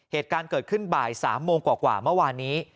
เหตุการณ์เกิดขึ้นบ่าย๓โมงกว่าเมื่อวานนี้